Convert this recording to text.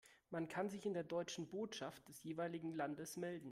Man kann sich in der deutschen Botschaft des jeweiligen Landes melden.